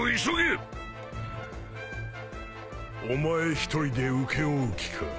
お前一人で請け負う気か？